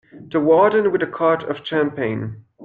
The Warden with a quart of champagne.